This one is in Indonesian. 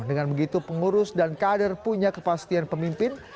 dengan begitu pengurus dan kader punya kepastian pemimpin